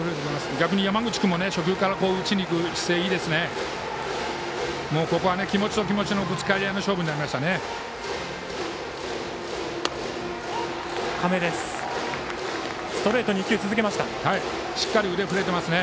逆に山口君も初球から打ちにいく姿勢がいいですね。